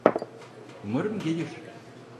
Umarım gelir.